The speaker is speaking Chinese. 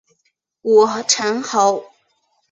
武城侯。